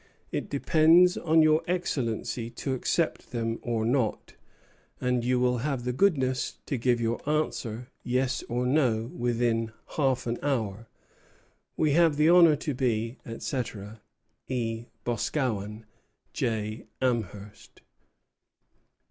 It depends on your Excellency to accept them or not; and you will have the goodness to give your answer, yes or no, within half an hour. We have the honor to be, etc., E. Boscawen. J. Amherst.